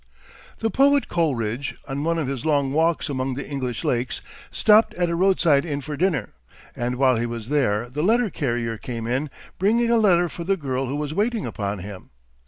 The poet Coleridge, on one of his long walks among the English lakes, stopped at a roadside inn for dinner, and while he was there the letter carrier came in, bringing a letter for the girl who was waiting upon him.